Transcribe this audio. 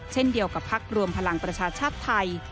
เช่นเดียวกับพักรวมพลังประชาชาติไทย